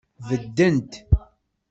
Beddent.